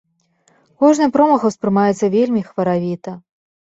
Кожны промах успрымаецца вельмі хваравіта.